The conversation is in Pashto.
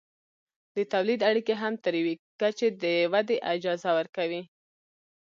د تولید اړیکې هم تر یوې کچې د ودې اجازه ورکوي.